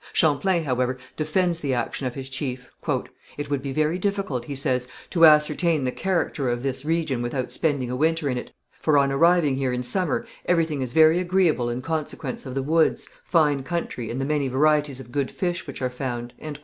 Champlain, however, defends the action of his chief. "It would be very difficult," he says, "to ascertain the character of this region without spending a winter in it, for, on arriving here in summer, everything is very agreeable in consequence of the woods, fine country, and the many varieties of good fish which are found."